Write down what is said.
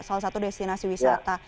salah satu destinasi wisata